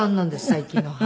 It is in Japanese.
最近の母。